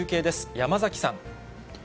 山崎さん。